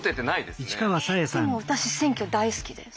でも私選挙大好きです。